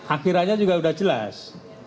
akhirnya juga sudah jelas